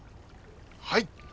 はい！